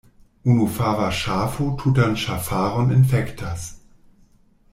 Unu fava ŝafo tutan ŝafaron infektas.